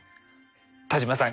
田島さん